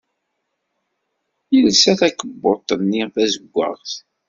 Yelsa takebbuḍt-nni tazewwaɣt.